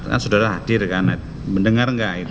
kan saudara hadir kan mendengar nggak itu